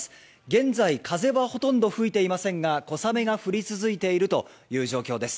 現在、風はほとんど吹いていませんが小雨が降り続いているという状況です。